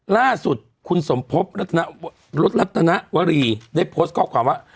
ล่าสุดคุณสมพบรถรัตนวรีได้โพสต์ข้อความว่า